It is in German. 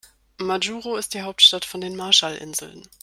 Majuro ist die Hauptstadt von den Marshallinseln.